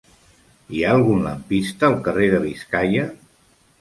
Hi ha algun lampista al carrer de Biscaia?